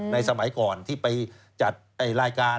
สมัยก่อนที่ไปจัดรายการ